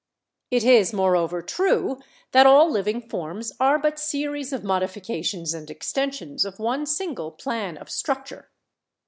It is, moreover, true that all living forms are but series of modifications and extensions of one single plan o r struc ture.